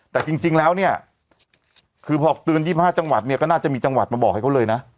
แต่จริงแล้วพอเหาะเตือนยี่ห้าจังหวัดก็น่าจะมีจังหวัดมาบอกเขาเลยนะ